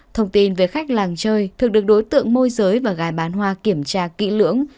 thông tin về khách làng chơi thường được đối tượng môi giới và gài bán hoa kiểm tra kỹ lưỡng